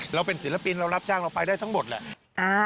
เราเป็นศิลปินเรารับจ้างเราไปได้ทั้งหมดแหละ